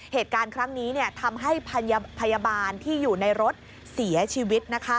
เหตุการณ์ครั้งนี้ทำให้พยาบาลที่อยู่ในรถเสียชีวิต